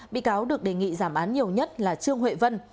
bị cáo được đề nghị giảm án nhiều nhất là trương huệ vân